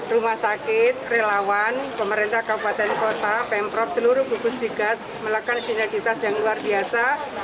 rumah sakit relawan pemerintah kabupaten kota pemprov seluruh gugustigas melakukan sinergitas yang luar biasa